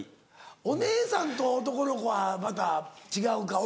お姉さんと男の子はまた違うか。